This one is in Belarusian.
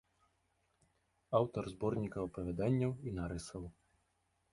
Аўтар зборнікаў апавяданняў і нарысаў.